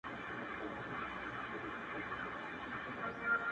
خوار زما د حرکت په هر جنجال کي سته’